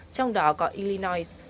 trong đó có illinois